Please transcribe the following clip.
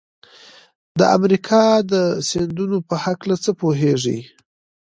د امریکا د سیندونو په هلکه څه پوهیږئ؟